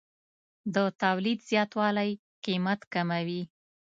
د تولید زیاتوالی قیمت کموي.